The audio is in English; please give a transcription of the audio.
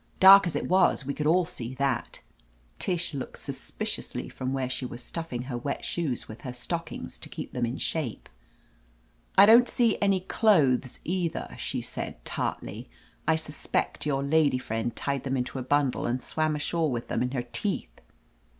Dark as it was, we could all see that Tish looked up suspiciously from where she was stuffing her wet shoes with her stockings to keep them in shape. "I don't see any clothes either," she said tartly. "I suspect your lady friend tied them into a bundle and swam ashore with them in her teeth